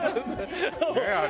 ねえあれ。